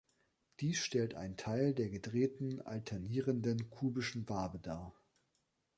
Dies stellt einen Teil der gedrehten alternierenden kubischen Wabe dar.